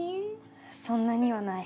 そんなにはない。